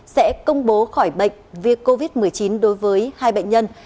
sẽ công bố khỏi bệnh việc covid một mươi chín đối với hai bệnh nhân